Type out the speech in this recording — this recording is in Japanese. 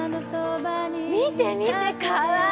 見て見てかわいい！